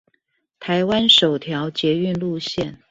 台灣首條捷運路線